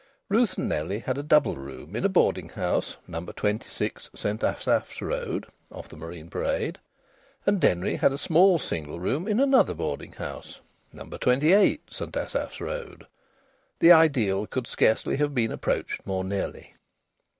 Ruth and Nellie had a double room in a boarding house, No. 26 St Asaph's Road (off the Marine Parade), and Denry had a small single room in another boarding house, No. 28 St Asaph's Road. The ideal could scarcely have been approached more nearly.